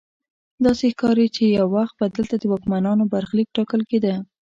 داسې ښکاري چې یو وخت به دلته د واکمنانو برخلیک ټاکل کیده.